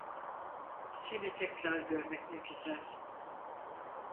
Seni tekrar görmek ne güzel.